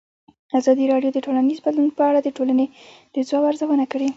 ازادي راډیو د ټولنیز بدلون په اړه د ټولنې د ځواب ارزونه کړې.